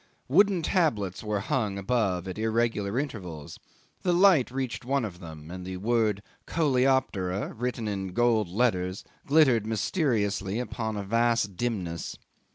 Wooden tablets were hung above at irregular intervals. The light reached one of them, and the word Coleoptera written in gold letters glittered mysteriously upon a vast dimness.